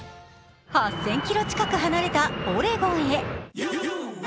８０００ｋｍ近く離れたオレゴンへ。